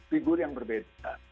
figur yang berbeda